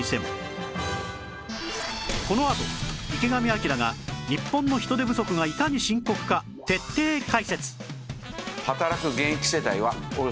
このあと池上彰が日本の人手不足がいかに深刻か徹底解説というデータがある。